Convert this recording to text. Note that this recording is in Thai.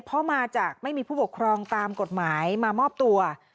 เพราะมาจากไม่มีผู้ปกครองตามกฎหมายมามอบตัว